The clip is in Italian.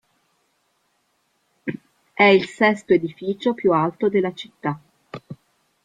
È il sesto edificio più alto della città.